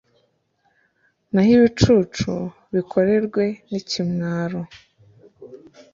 naho ibicucu bikorwe n'ikimwaro